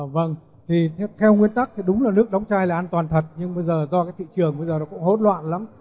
vâng thì theo nguyên tắc thì đúng là nước đóng chai là an toàn thật nhưng bây giờ do cái thị trường bây giờ nó cũng hỗn loạn lắm